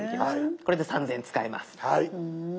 これで３，０００円使えます。